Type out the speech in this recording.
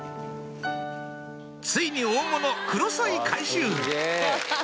ついに大物クロソイ回収